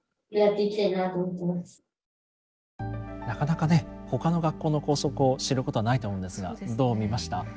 なかなかほかの学校の校則を知ることはないと思うんですがどう見ました？